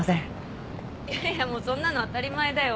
いやいやもうそんなの当たり前だよ。